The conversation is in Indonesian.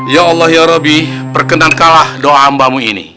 ya allah ya rabbi perkenankalah doa amba mu ini